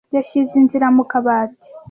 Yashyize inzira mu kabati.